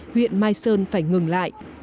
huyện mai sơn phải ngừng lại